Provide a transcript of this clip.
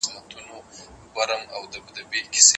دوړې د بدن لپاره زیان لري.